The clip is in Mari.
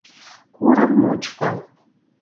курым мучко...